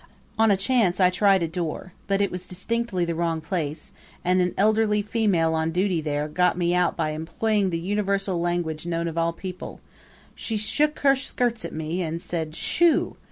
On a chance I tried a door, but it was distinctly the wrong place; and an elderly female on duty there got me out by employing the universal language known of all peoples. She shook her skirts at me and said Shoo!